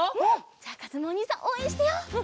じゃあかずむおにいさんおうえんしてよう。